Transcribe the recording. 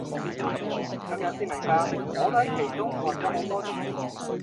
今天纔明白，我也在其中混了多年；